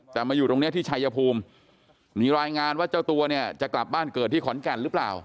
แต่มาอยู่ตรงนี้ที่ชายภูมิมีรายงานว่าเจ้าตัวเนี่ยจะกลับบ้านเกิดที่ขอนแก่นหรือเปล่า